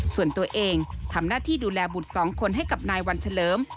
ส่วนตัวเองทำหน้าที่ดูแลบุตรสองคนให้กับนายวันเฉลิม